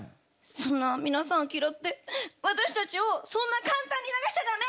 そんな皆さん嫌って私たちをそんな簡単に流しちゃダメ！